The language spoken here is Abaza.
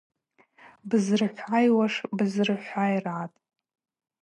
Быззырхӏвайуаш бизырхӏвайыргӏатӏ.